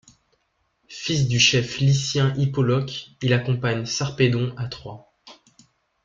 Fils du chef lycien Hippoloque, il accompagne Sarpédon à Troie.